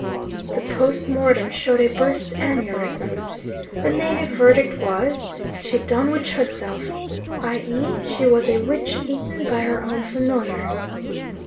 The post mortem showed a burst aneurism. The native verdict was "She done witch herself," i.e. she was a witch eaten by her own familiar.